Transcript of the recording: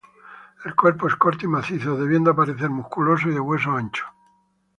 El cuerpo es corto y macizo, debiendo parecer musculoso y de hueso ancho.